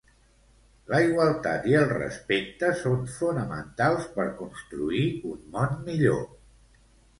La igualtat i el respecte són fonamentals per construir un món millor.